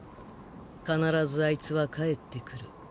必ずアイツは帰ってくる。